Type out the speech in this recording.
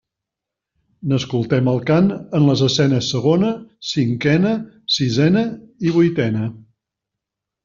N'escoltem el cant en les escenes segona, cinquena, sisena i vuitena.